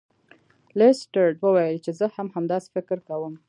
لیسټرډ وویل چې زه هم همداسې فکر کوم.